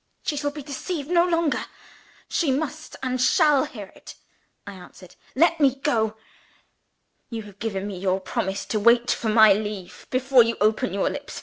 "She shall be deceived no longer she must, and shall, hear it," I answered. "Let me go!" "You have given me your promise to wait for my leave before you open your lips.